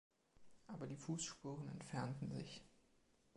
Aber die Fußspuren entfernten sich.